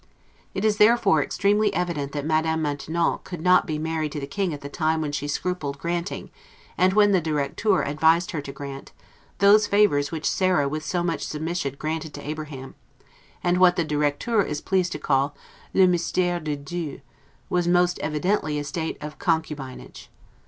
It is therefore extremely evident that Madame Maintenon could not be married to the King at the time when she scrupled granting, and when the 'directeur' advised her to grant, those favors which Sarah with so much submission granted to Abraham: and what the 'directeur' is pleased to call 'le mystere de Dieu', was most evidently a state of concubinage.